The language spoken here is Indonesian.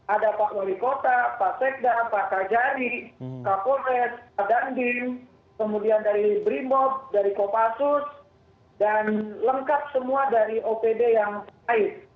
ada pak wali kota pak sekda pak kajari kapolres pak dandim kemudian dari brimob dari kopassus dan lengkap semua dari opd yang lain